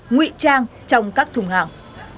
nguy trang trong các thùng hàng